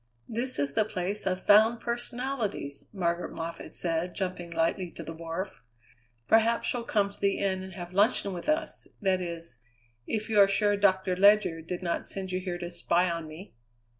"This is the place of Found Personalities," Margaret Moffatt said, jumping lightly to the wharf. "Perhaps you'll come to the inn and have luncheon with us that is, if you are sure Doctor Ledyard did not send you here to spy on me."